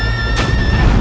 aku akan menangkanmu